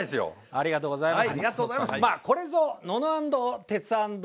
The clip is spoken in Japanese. ありがとうございます。